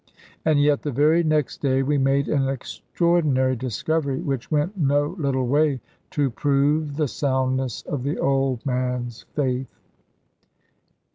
And yet the very next day we made an extraordinary discovery, which went no little way to prove the soundness of the old man's faith.